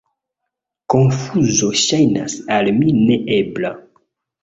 Konfuzo ŝajnas al mi ne ebla.